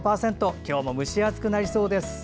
今日も蒸し暑くなりそうです。